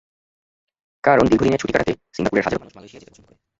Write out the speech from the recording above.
কারণ, দীর্ঘ ছুটি কাটাতে সিঙ্গাপুরের হাজারো মানুষ মালয়েশিয়ায় যেতে পছন্দ করে।